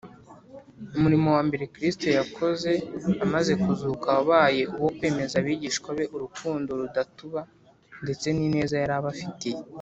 umurimo wa mbere kristo yakoze amaze kuzuka wabaye uwo kwemeza abigishwa be urukundo rudatuba ndetse n’ineza yari abafitiye